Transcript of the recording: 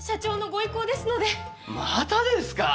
またですか？